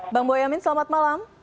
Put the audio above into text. bang boyamin selamat malam